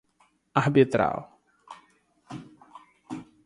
arbitral